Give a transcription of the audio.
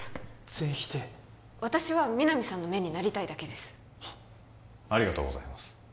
全否定私は皆実さんの目になりたいだけですありがとうございます